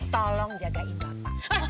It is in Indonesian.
tolong jagain bapak